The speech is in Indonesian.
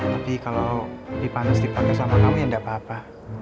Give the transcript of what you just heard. tapi kalau dipantus dipake sama kamu ya nggak apa apa